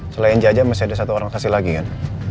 selain jaja masih ada satu orang kasih lagi kan